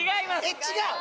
えっ違う？